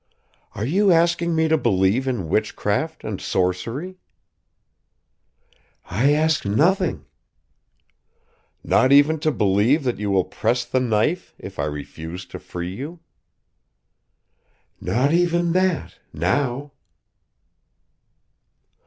"Are you asking me to believe in witchcraft and sorcery?" "I ask nothing." "Not even to believe that you will press the knife if I refuse to free you?" "Not even that; now!"